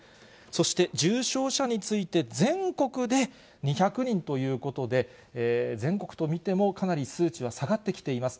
そして重症者について、全国で２００人ということで、全国と見てもかなり数値は下がってきています。